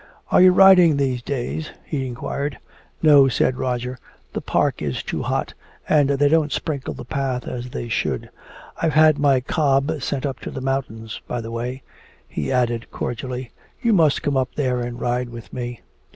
"Are you riding these days?" he inquired. "No," said Roger, "the park is too hot and they don't sprinkle the path as they should. I've had my cob sent up to the mountains. By the way," he added cordially, "you must come up there and ride with me."